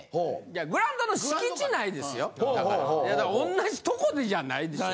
同じとこでじゃないですよ。